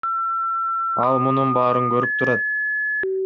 Ал мунун баарын көрүп турат.